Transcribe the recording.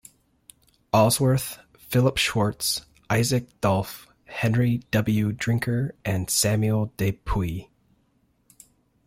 Allsworth, Philip Swartz, Isaac Dolph, Henry W. Drinker, and Samuel De Puy.